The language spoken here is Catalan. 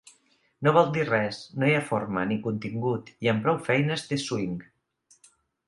No vol dir res; no hi ha forma, ni contingut, i amb prou feines té swing.